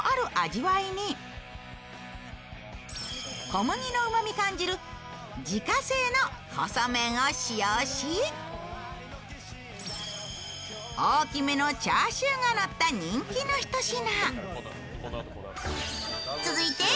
小麦のうまみを感じる自家製の細麺を使用し大きめのチャーシューがのった人気のひと品。